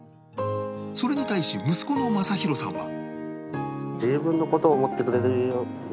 それに対し息子の政浩さんは